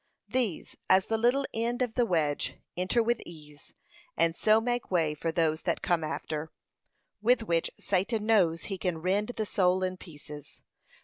These, as the little end of the wedge, enter with ease, and so make way for those that come after, with which Satan knows he can rend the soul in pieces.